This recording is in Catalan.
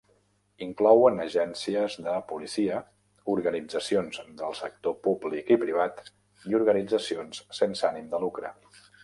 Inclouen agències de policia, organitzacions del sector públic i privat i organitzacions sense ànim de lucre.